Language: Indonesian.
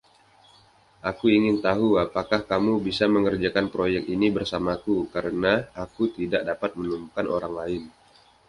Aku ingin tahu apakah kamu bisa mengerjakan proyek ini bersamaku karena aku tidak dapat menemukan orang lain.